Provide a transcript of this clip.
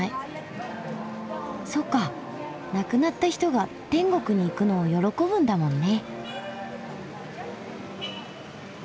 そうか亡くなった人が天国に行くのを喜ぶんだもんね。